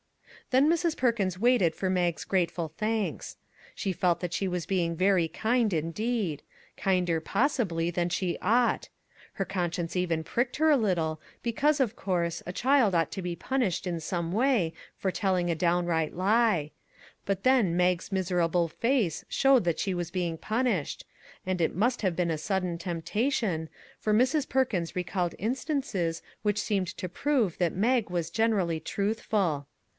Then Mrs. Perkins waited for Mag's grate ful thanks. She felt that she was being very kind indeed; kinder, possibly, than she ought; her conscience even pricked her a little, because, of course, a child ought to be punished in some way for telling a downright lie ; but then Mag's miserable face showed that she was being pun 82 RAISINS " ished ; and it must have been a sudden tempta tion, for Mrs. Perkins recalled instances which seemed to prove that Mag was generally truth ful.